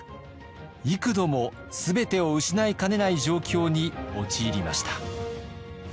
幾度も全てを失いかねない状況に陥りました。